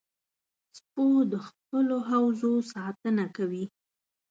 سپو د خپلو حوزو ساتنه کوي.